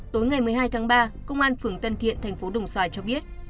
tối ngày một mươi hai tháng ba công an phường tân thiện tp đồng xoài cho biết